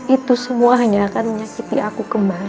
itu semua hanya akan menyakiti aku kembali